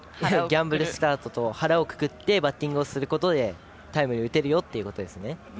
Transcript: ギャンブルスタートと腹をくくってバッティングをすることでタイムリーを打てるよってことですね。